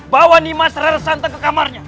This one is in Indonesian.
bawa nimas rarasanteng ke kamarnya